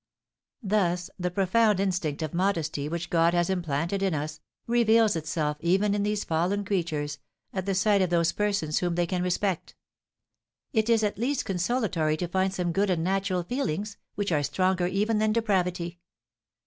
Thus the profound instinct of modesty, which God has implanted in us, reveals itself even in these fallen creatures, at the sight of those persons whom they can respect." "It is at least consolatory to find some good and natural feelings, which are stronger even than depravity."